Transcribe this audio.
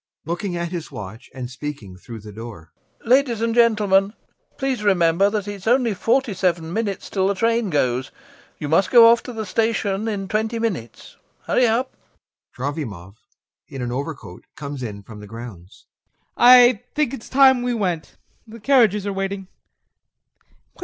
[Looking at his watch and speaking through the door] Ladies and gentlemen, please remember that it's only forty seven minutes till the train goes! You must go off to the station in twenty minutes. Hurry up. [TROFIMOV, in an overcoat, comes in from the grounds.] TROFIMOV. I think it's time we went. The carriages are waiting.